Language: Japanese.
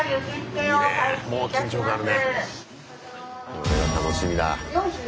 これは楽しみだ。